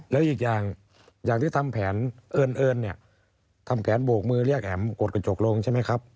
แล้วอีกอย่างอย่างที่ทำแผนเอิญเนี่ยทำแผนโบกมือเรียกแอ๋มกดกระจกลงใช่ไหมครับ